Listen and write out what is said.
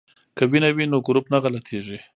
که وینه وي نو ګروپ نه غلطیږي.